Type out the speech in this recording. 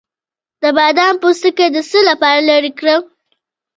د بادام پوستکی د څه لپاره لرې کړم؟